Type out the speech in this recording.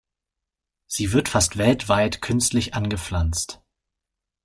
Sie wird fast weltweit künstlich angepflanzt.